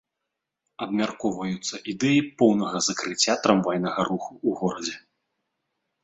Абмяркоўваюцца ідэі поўнага закрыцця трамвайнага руху ў горадзе.